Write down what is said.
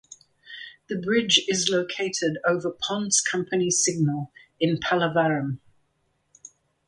The Bridge is located over Ponds Company Signal in Pallavaram.